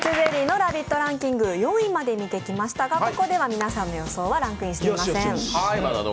ランキング４位まで見てきましたがここでは皆さんの予想はランクインしていません。